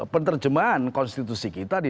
penterjemahan konstitusi kita di